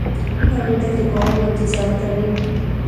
کروندګر د باران انتظار کوي